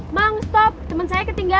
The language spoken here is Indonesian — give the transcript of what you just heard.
emang stop temen saya ketinggalan